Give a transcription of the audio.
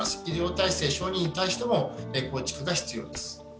医療体制、小児に対しても構築が必要です。